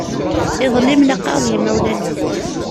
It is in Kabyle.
Iḍelli mlaqaɣ d yimawlan-im.